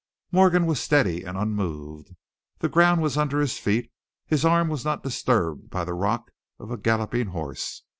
Morgan was steady and unmoved. The ground was under his feet, his arm was not disturbed by the rock of a galloping horse.